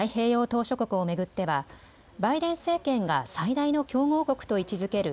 島しょ国を巡ってはバイデン政権が最大の競合国と位置づける